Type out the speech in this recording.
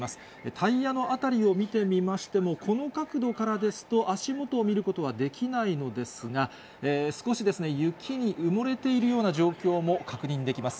タイヤの辺りを見てみましても、この角度からですと、足元を見ることはできないのですが、少し雪に埋もれているような状況も確認できます。